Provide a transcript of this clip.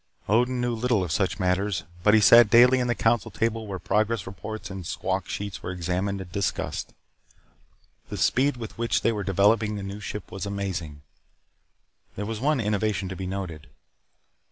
Odin knew little of such matters, but he sat daily at the council table where progress reports and squawk sheets were examined and discussed. The speed with which they were developing the new ship was amazing. There was one innovation to be noted.